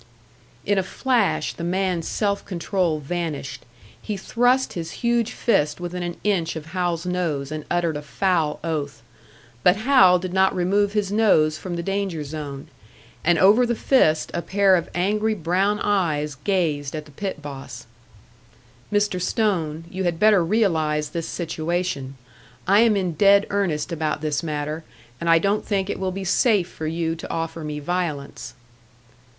In a flash, the man's self control vanished. He thrust his huge fist within an inch of Hal's nose, and uttered a foul oath. But Hal did not remove his nose from the danger zone, and over the fist a pair of angry brown eyes gazed at the pit boss. "Mr. Stone, you had better realise this situation. I am in dead earnest about this matter, and I don't think it will be safe for you to offer me violence."